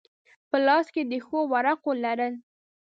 په لاس کې د ښو ورقو لرل.